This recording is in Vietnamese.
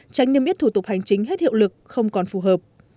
tránh niêm yết thủ tục hành chính hết hiệu lực không còn phù hợp